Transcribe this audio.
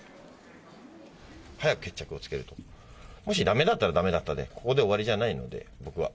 早く決着をつけると、もしだめだったらだめだったで、これで終わりじゃないんで、僕は。